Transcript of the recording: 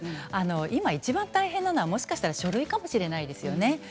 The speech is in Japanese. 今いちばん大変なのはもしかしたら書類かもしれないですよね。